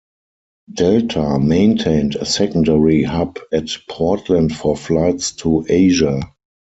Delta maintained a secondary hub at Portland for flights to Asia.